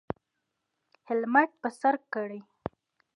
هیلمټ په سر کړئ